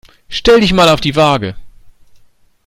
Stell dich mal auf die Waage.